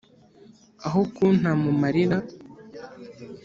aho kunta mu marira!